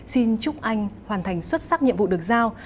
xin chúc anh hoàn thành xuất sắc nhiệm vụ được giao